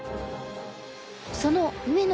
その上野